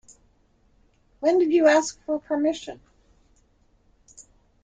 When did you ask for permission?